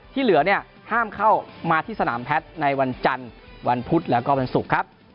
เหลือเนี่ยห้ามเข้ามาที่สนามแพทย์ในวันจันทร์วันพุธแล้วก็วันศุกร์ครับ